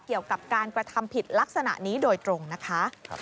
เกี่ยวกับการกระทำผิดลักษณะนี้โดยตรงนะคะ